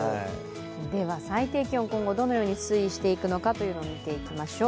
では最低気温、今後、どの用に推移していくのか見ていきましょう。